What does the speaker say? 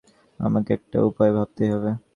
আমাকে একটা উপায় ভাবতেই হবে।